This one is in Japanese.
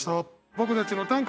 僕たちの短歌